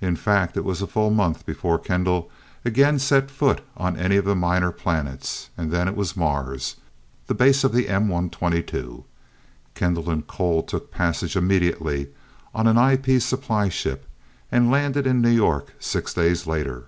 In fact, it was a full month before Kendall again set foot on any of the Minor Planets, and then it was Mars, the base of the M 122. Kendall and Cole took passage immediately on an IP supply ship, and landed in New York six days later.